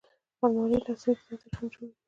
الماري له عصري ډیزاین سره هم جوړیږي